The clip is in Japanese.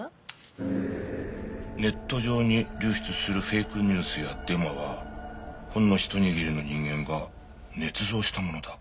「ネット上に流出するフェイクニュースやデマはほんの一握りの人間が捏造したものだ」